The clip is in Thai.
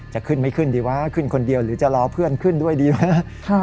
จะขึ้นไม่ขึ้นดีวะขึ้นคนเดียวหรือจะรอเพื่อนขึ้นด้วยดีวะนะ